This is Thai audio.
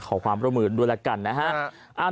ขอความร่วมมือด้วยแล้วกันนะฮะ